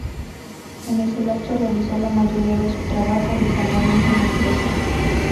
En ese lapso realizó la mayoría de su trabajo de salvamento de empresas.